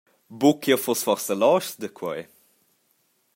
Buca che jeu fuss forsa loschs da quei.